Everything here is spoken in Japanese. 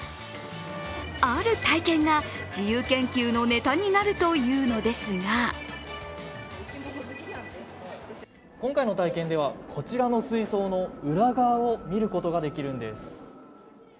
ある体験が、自由研究のネタになるというのですが今回の体験では、こちらの水槽の裏側を見ることができるんです。